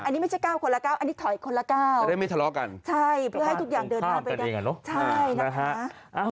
อันนี้ไม่ใช่๙คนละ๙อันนี้ถอยคนละก้าวจะได้ไม่ทะเลาะกันใช่เพื่อให้ทุกอย่างเดินหน้าไปได้นะฮะ